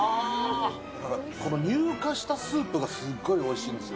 だからこの乳化したスープがすごいおいしいんですよ。